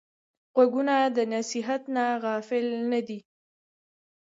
غوږونه د نصیحت نه غافل نه دي